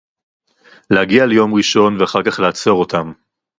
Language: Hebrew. להגיע ליום ראשון ואחר כך לעצור אותם